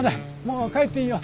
もう帰っていいよ。